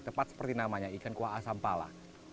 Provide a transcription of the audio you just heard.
tepat seperti namanya ikan kuah asam pala